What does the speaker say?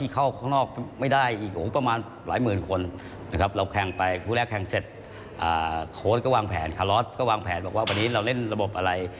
ก็วางแผนว่าวันนี้เราเล่นระบบอะไร